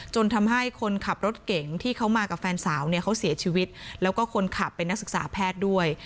จนทำให้คนขับรถเก่งที่เขามากับแฟนสาวเนี่ยเขาเสียชีวิตแล้วก็คนขับเป็นนักศึกษาแพทย์ด้วย